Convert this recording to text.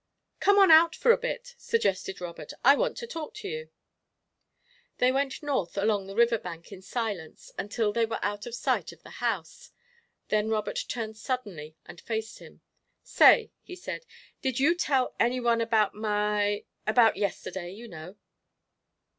"Come on out for a bit," suggested Robert; "I want to talk to you." They went north along the river bank in silence until they were out of sight of the house, then Robert turned suddenly and faced him. "Say," he said, "did you tell any one about my about yesterday, you know?"